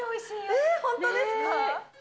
えー、本当ですか。